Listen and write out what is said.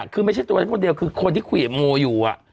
คือไม่ใช่ตัวฉันคนเดียวคือคนที่คุยกับโมอยู่